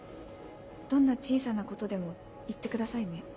どんな小さなことでも言ってくださいね。